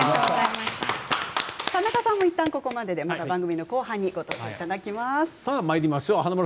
田中さんもいったんここまでで番組の後半にご登場いただきます。